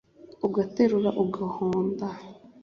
ugaterura ugahonda